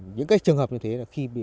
những trường hợp như thế là khi